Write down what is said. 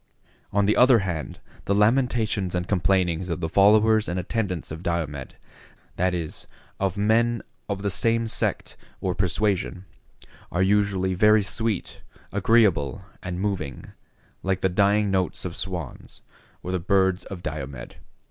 On the other hand, the lamentations and complainings of the followers and attendants of Diomed, that is, of men of the same sect or persuasion, are usually very sweet, agreeable, and moving, like the dying notes of swans, or the birds of Diomed.